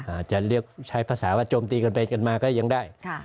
อาจจะเรียกใช้ภาษาว่าโจมตีกันไปกันมาก็ยังได้